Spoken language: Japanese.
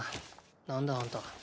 何だあんた？